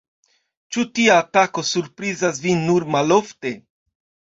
Ĉu tia atako surprizas vin nur malofte?